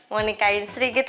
mau nikahin sri gitu